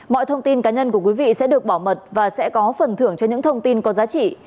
mọi thông tin cá nhân của quý vị sẽ được bảo mật và sẽ có phần thưởng cho những thông tin có giá trị